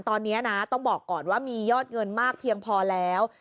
ตอนนี้นะต้องบอกก่อนว่ามียอดเงินมากเพียงพอแล้ว